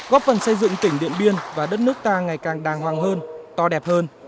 góp phần xây dựng tỉnh điện biên và đất nước ta ngày càng đàng hoàng hơn to đẹp hơn